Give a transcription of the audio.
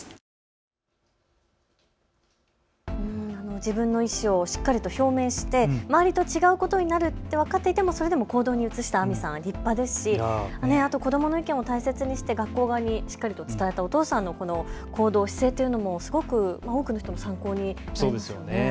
自分の意思をしっかりと表明して周りと違うことになるって分かっていてもそれでも行動に移した杏美さん立派ですし、子どもの意見を大切にして学校側にしっかりと伝えたお父さんのこの行動、姿勢というのもすごく多くの人の参考になりそうですよね。